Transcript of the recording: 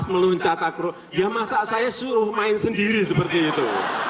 main sendiri seperti itu